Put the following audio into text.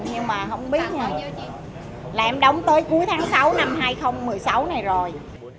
nhưng mà không biết như là em đóng tới cuối tháng sáu năm hai nghìn một mươi sáu này rồi